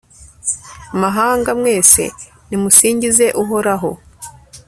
mahanga mwese, nimusingize uhoraho